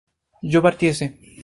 yo partiese